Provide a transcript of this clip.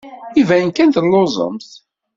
Iban kan telluẓemt.